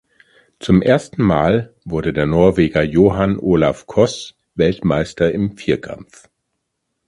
Zum ersten Mal wurde der Norweger Johann Olav Koss Weltmeister im Vierkampf.